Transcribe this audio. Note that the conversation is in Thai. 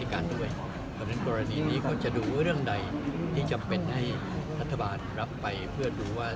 การด้วยเครื่องใดที่จำเป็นให้รัฐบาลรับไปเพื่อดูว่า